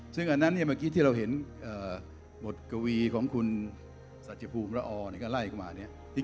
ซึ่งอันนั้นเนี่ยเมื่อกี้ที่เราเห็นบทกวีของคุณสัจภูมิละออก็ไล่เข้ามาเนี่ย